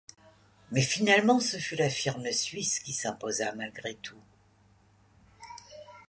Mais finalement, ce fut la firme suisse qui s'imposa malgré tout.